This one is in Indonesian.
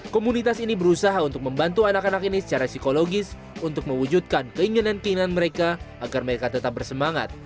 komunitas ini berusaha untuk membantu anak anak ini secara psikologis untuk mewujudkan keinginan keinginan mereka agar mereka tetap bersemangat